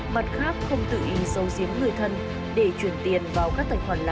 mặt khác không tự ý sâu giếm người thân để chuyển tiền vào các tài khoản lạ trong bất kỳ trường hợp nào